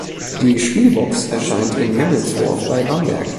Die "spielbox" erscheint in Memmelsdorf bei Bamberg.